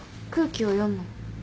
空気を読む？